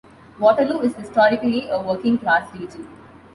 Waterloo is historically a working class region.